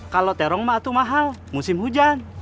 kalau terong mah itu mahal musim hujan